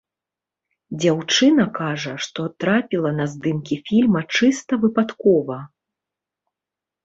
Дзяўчына кажа, што трапіла на здымкі фільма чыста выпадкова.